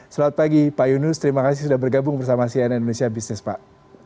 selamat pagi pak yunus terima kasih sudah bergabung bersama cnn indonesia business pak